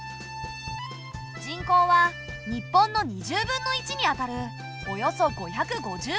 人口は日本の２０分の１にあたるおよそ５５０万人。